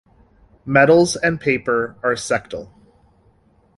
Metals and paper are sectile.